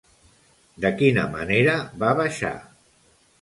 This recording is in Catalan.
De quina manera va baixar?